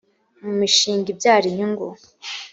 mu mishinga ibyara inyungu